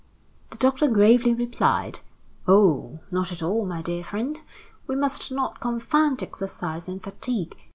The doctor gravely replied: "Oh! not at all, my dear friend. We must not confound exercise and fatigue.